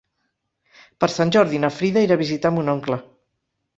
Per Sant Jordi na Frida irà a visitar mon oncle.